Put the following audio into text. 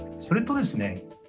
それとですね